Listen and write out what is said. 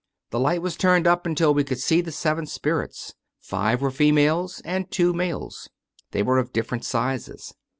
The light was turned up until we could see the seven spirits. Five were females and two males. They were of different sizes.